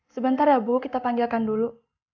sebentar ya bu kita panggilkan dulu